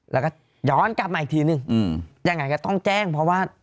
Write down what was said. แล้วก็ย้อนกลับมาอีกทีนึงยังไงก็ต้องแจ้งเพราะว่า